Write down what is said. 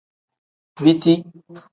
Biti.